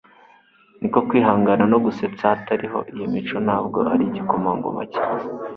ni ko kwihangana no gusetsa. hatariho iyo mico ntabwo ari igikomangoma cyiza